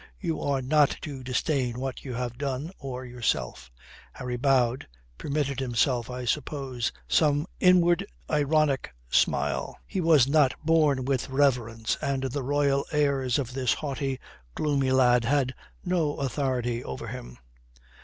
You are not to disdain what you have done, or yourself." Harry bowed, permitted himself, I suppose, some inward ironic smile, he was not born with reverence, and the royal airs of this haughty, gloomy lad had no authority over him.